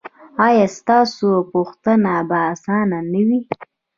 ایا ستاسو پوښتنه به اسانه نه وي؟